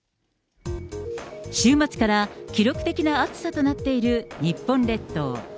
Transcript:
週末から記録的な暑さとなっている日本列島。